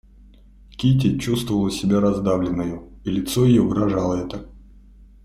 Кити чувствовала себя раздавленною, и лицо ее выражало это.